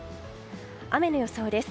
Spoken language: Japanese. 雨の予想です。